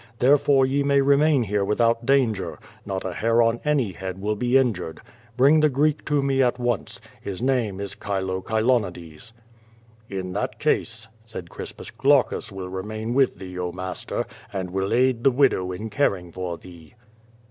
Therefore, ye may remain hero without danger. Not a hair on any head will be injured. Bring the Greek to me at once. His name is Chilo Chilo nidcs." "In that case," said Crispus, "Glaucus will remain with thee, oh, master, and will aid the widow in caring for thee."